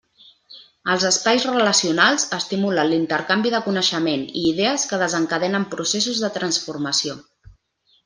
Els espais relacionals estimulen l'intercanvi de coneixement i idees que desencadenen processos de transformació.